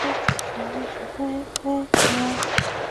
独立日是印度的国定假日。